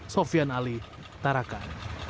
sofian ali tarakan